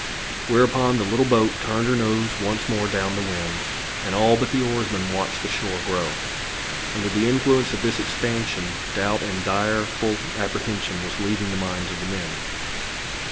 Whereupon the little boat turned her nose once more down the wind, and all but the oarsman watched the shore grow. Under the influence of this expansion doubt and direful apprehension was leaving the minds of the men.